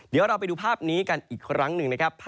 เดี๋ยวเราไปดูภาพนี้กันอีกครั้งหนึ่งนะครับ